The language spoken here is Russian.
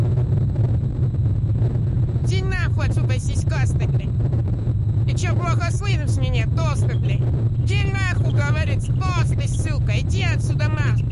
Он должен уйти, причем немедленно.